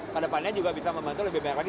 ke depannya juga bisa membantu lebih banyak lagi